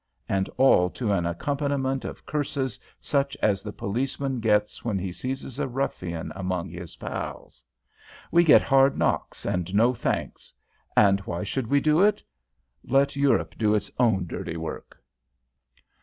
And all to an accompaniment of curses such as the policeman gets when he seizes a ruffian among his pals. We get hard knocks and no thanks, and why should we do it? Let Europe do its own dirty work."